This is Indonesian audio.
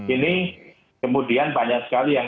ini kemudian banyak sekali yang